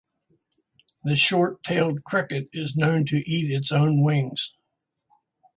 The short-tailed cricket is known to eat its own wings.